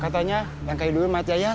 katanya langkai dulu mayat yayat